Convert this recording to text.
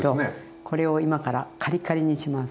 これを今からカリカリにします。